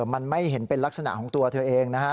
มันไม่เห็นเป็นลักษณะของตัวเธอเองนะฮะ